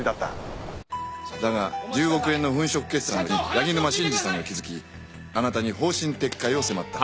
だが１０億円の粉飾決算に柳沼真治さんが気づきあなたに方針撤回を迫った。